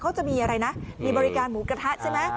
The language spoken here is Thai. เขาจะมีอะไรนะมีบริการหมูกระทะใช่ไหม